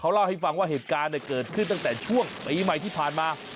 เล่าให้ฟังว่าเหตุการณ์เกิดขึ้นตั้งแต่ช่วงปีใหม่ที่ผ่านมา